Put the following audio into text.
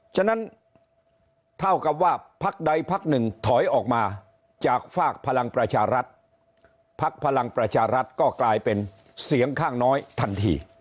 ฉะนั้นเท่ากับว่าพักใดพักหนึ่งถอยออกมาจากฝากพลังประชารัฐพักพลังประชารัฐก็กลายเป็นเสียงข้างน้อยทันที